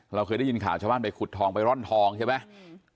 เราเคยได้ยินข่าวชาวบ้านไปขุดทองไปร่อนทองใช่ไหม